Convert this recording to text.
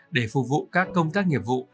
để phục vụ các công tác nghiệp vụ